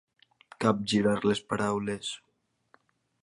Capgirar les paraules.